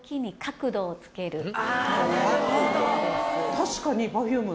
確かに。